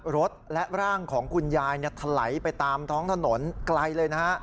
รถและร่างของคุณยายถลายไปตามท้องถนนไกลเลยนะฮะ